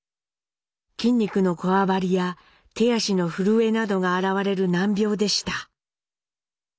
筋肉のこわばりや手足の震えなどが現れる難病でした。